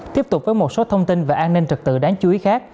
tiếp tục với một số thông tin về an ninh trật tự đáng chú ý khác